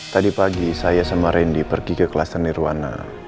tadi pagi saya sama rendy pergi ke kelas tenirwana